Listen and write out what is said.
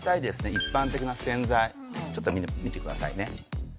一般的な洗剤ちょっと見てくださいね。